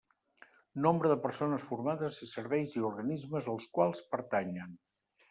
Nombre de persones formades i serveis i organismes als quals pertanyen.